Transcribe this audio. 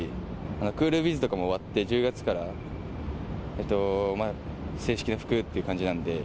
クールビズとかも終わって、１０月から正式な服って感じなんで。